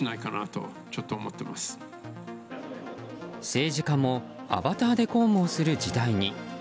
政治家もアバターで公務をする時代に。